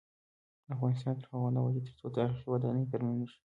افغانستان تر هغو نه ابادیږي، ترڅو تاریخي ودانۍ ترمیم نشي.